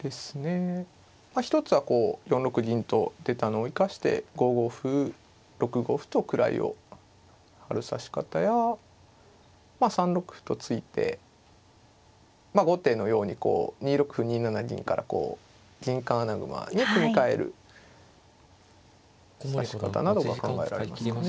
一つは４六銀と出たのを生かして５五歩６五歩と位を張る指し方や３六歩と突いて後手のようにこう２六歩２七銀からこう銀冠穴熊に組み替える指し方などが考えられますかね。